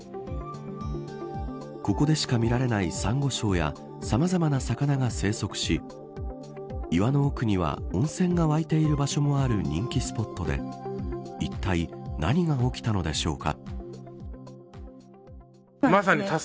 ここでしか見られないサンゴ礁やさまざまな魚が生息し岩の奥には温泉が湧いている場所もある人気スポットでいったい何が起きたのでしょうか。